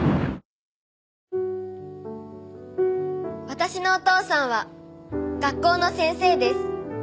「私のお父さんは学校の先生です」